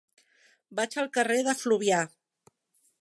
Vaig al carrer de Fluvià.